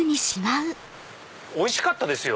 おいしかったですよ